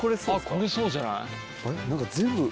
これそうじゃない？